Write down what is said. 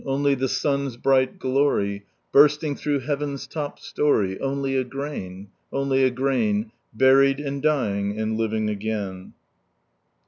Only the mn'i Mghl glaiy Bursting through heaviu'i lop storey, — Only a grain, only a grainy Bnried and dying and living axaiii."